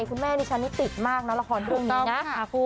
คุณแม่นี่ชั้นนี่ติดมากนะละครเรื่องนี้นะ